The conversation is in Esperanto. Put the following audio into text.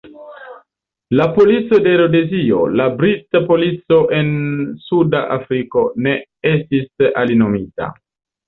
La polico de Rodezio, la Brita Polico en Suda Afriko, ne estis alinomita.